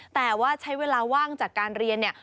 แต่ว่าใช้เวลาว่างจากการเรียนเนี่ย